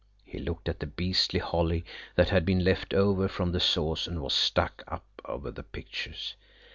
He looked at the beastly holly that had been left over from the sauce and was stuck up over the pictures.